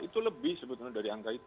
itu lebih sebetulnya dari angka itu